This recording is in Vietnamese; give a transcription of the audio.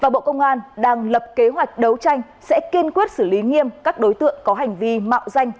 bộ công an đang lập kế hoạch đấu tranh sẽ kiên quyết xử lý nghiêm các đối tượng có hành vi mạo danh